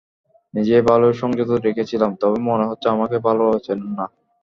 নিজেকে ভালোই সংযত রেখেছিলাম, তবে মনে হচ্ছে আমাকে ভালোভাবে চেনেন না।